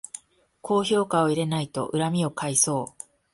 高評価を入れないと恨みを買いそう